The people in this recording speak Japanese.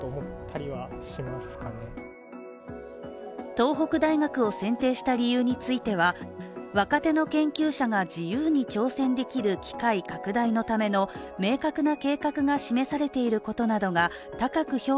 東北大学を選定した理由については、若手の研究者が自由に挑戦できる機会拡大のためのやさしいマーン！！